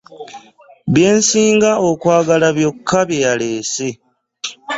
Bye nsinga okwagala byokka bye yaleese.